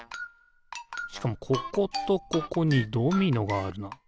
しかもこことここにドミノがあるな。